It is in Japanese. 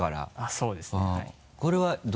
そうですねはい。